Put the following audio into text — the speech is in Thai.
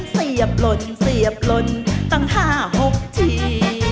เสียบหล่นเสียบหล่นตั้ง๕๖ที